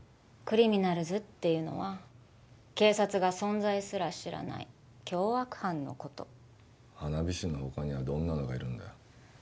クリミナルズっていうのは警察が存在すら知らない凶悪犯のこと花火師の他にはどんなのがいるんだよ